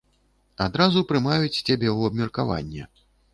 Адразу прымаюць цябе ў абмеркаванне.